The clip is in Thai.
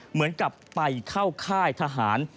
เหมือนกับไปเข้าค่ายทหาร